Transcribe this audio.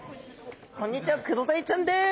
こんにちはクロダイちゃんです！